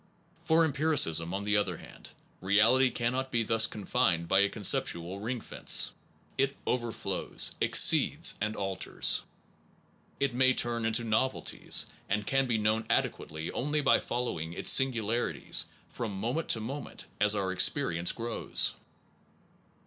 For empiricism, on the other hand, reality cannot be thus confined by a conceptual ring fence. It overflows, exceeds, and alters. It may turn into novelties, and can be known adequately only by following its singularities from moment to moment as our experience grows.